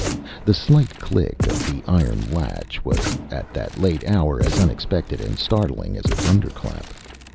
The slight click of the iron latch was at that late hour as unexpected and startling as a thunder clap.